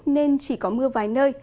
nên chỉ có mưa vài nơi